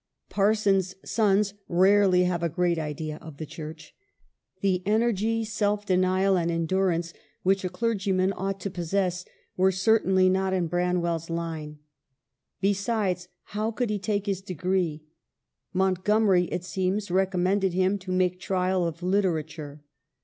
Parsons' sons rarely have a great idea of the Church. The energy, self denial, and endurance which a clergyman ought to possess were certainly not in Branwell's line. Besides, how could he take his degree ? Montgomery, it seems, rec ommended him to make trial of literature.